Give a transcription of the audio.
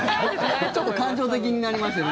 ちょっと感情的になりましたね。